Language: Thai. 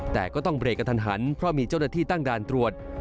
แต่ก็ต้องเบรกกันทันหันเพราะมีเจ้าหน้าที่ตั้งด่านตรวจ